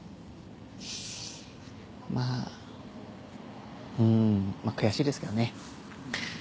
まぁうんまぁ悔しいですけどね。